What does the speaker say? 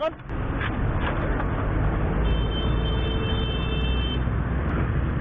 เป็นอะไรพี่เฮ้ยเสียชนเขาดี